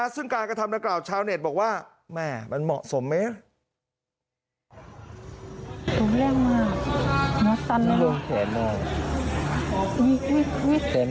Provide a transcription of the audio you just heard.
ซึ่งการกระทำดังกล่าวชาวเน็ตบอกว่าแม่มันเหมาะสมไหม